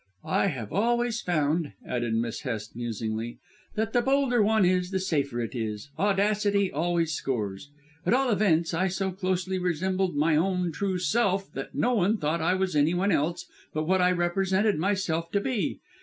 I have always found," added Miss Hest musingly, "that the bolder one is the safer it is: audacity always scores. At all events, I so closely resembled my own true self that no one thought I was anyone else but what I represented myself to be.